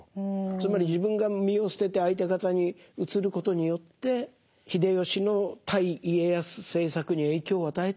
つまり自分が身を捨てて相手方に移ることによって秀吉の対家康政策に影響を与えたい。